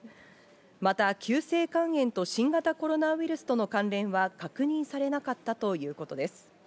また急性肝炎と、新型コロナウイルスとの関連は確認されなかったということです。